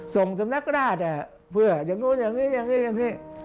สำนักราชเพื่ออย่างนู้นอย่างนี้อย่างนี้